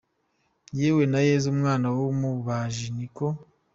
Yewe na Yezu umwana w’umubaji ni uko.